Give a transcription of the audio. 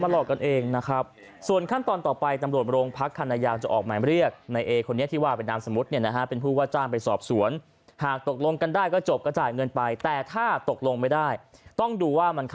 เราก็โทรไปถามโทรไปเขาก็ไม่ตอบไม่รับอะไรส่งไลน์ไปก็ไม่อ่าน